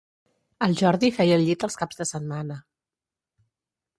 El Jordi feia el llit els caps de setmana